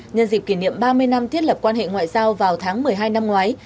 nhân dịp kỷ niệm ba mươi năm thiết lập quan hệ ngoại giao vào tháng một mươi hai năm ngoái